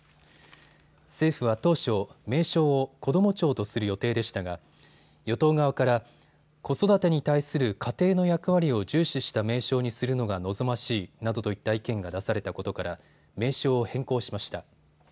政府は当初、名称をこども庁とする予定でしたが与党側から子育てに対する家庭の役割を重視した名称にするのが望ましいなどといった意見が出されたことから名称を変更しました。